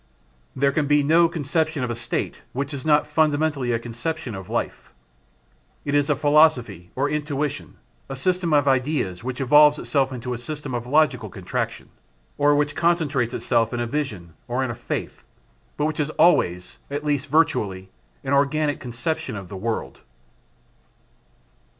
There can be no conception of a State which is not fundamentally a conception of Life. It is a philosophy or intuition, a system of ideas which evolves itself into a system of logical contraction, or which concentrates itself in a vision or in a faith, but which is always, at least virtually, an organic conception of the world.